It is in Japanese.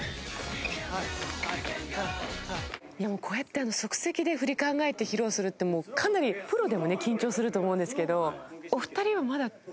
いやこうやって即席で振り考えて披露するってかなりプロでもね緊張すると思うんですけど。